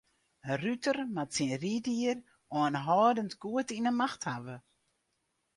In ruter moat syn ryddier oanhâldend goed yn 'e macht hawwe.